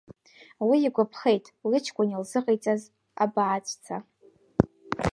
Уи игәаԥхеит лыҷкәын илзыҟаиҵаз абааҵәца.